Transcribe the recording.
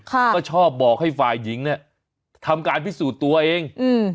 ก็ชอบบอกให้ฝ่ายหญิงเนี่ยทำการพิสูจน์ตัวเองอืม